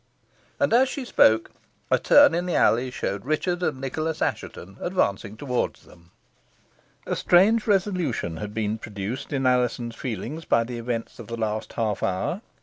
And as she spoke a turn in the alley showed Richard and Nicholas Assheton advancing towards them. A strange revolution had been produced in Alizon's feelings by the events of the last half hour.